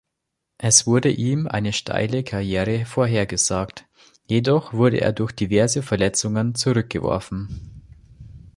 Es wurde ihm eine steile Karriere vorhergesagt, jedoch wurde er durch diverse Verletzungen zurückgeworfen.